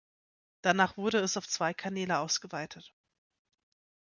Danach wurde es auf zwei Kanäle ausgeweitet.